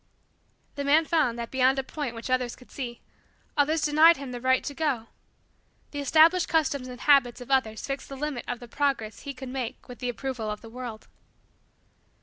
The man found, that, beyond a point which others could see, others denied him the right to go. The established customs and habits of others fixed the limit of the progress he could make with the approval of the world.